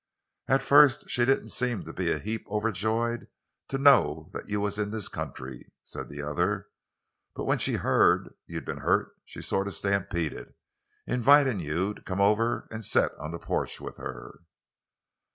"At first she didn't seem to be a heap overjoyed to know that you was in this country," said the other; "but when she heard you'd been hurt she sort of stampeded, invitin' you to come an' set on the porch with her."